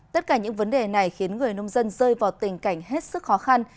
tất cả những vấn đề này khiến người nông dân rơi vào tình cảnh hết sức khó khăn